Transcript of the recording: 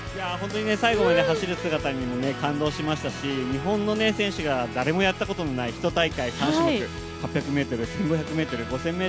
最後まで走る姿にも本当に感動しましたし、日本の選手が誰もやったことない１試合３種目８００ｍ、１５００ｍ、５０００ｍとね。